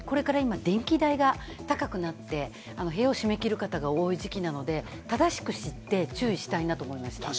これから今、電気代が高くなって、部屋を閉め切る方が多い時期なので、正しく知って注意したいなと思いました。